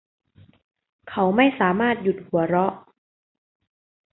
เขาไม่สามารถหยุดหัวเราะ